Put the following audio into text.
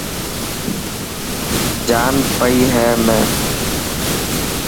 جائن پئي هي ۾.